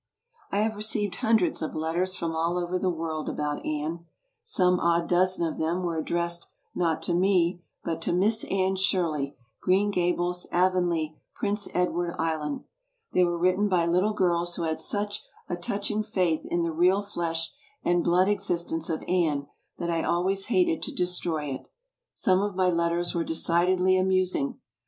I have received hundreds of letters from all over the world about Anne. Some odd dozen of them were ad dressed, not to me, but to "Miss Anne Shirley, Green Ga bles, Avonlea, Prince Edward Island." They were written by litde girls who had such a touching faith in the real flesh and blood existence of Anne that I always hated to destroy it. Some of my letters were decidedly amusing.